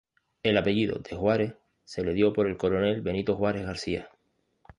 El apellido "de Juárez" se le dio por el coronel Benito Juárez García.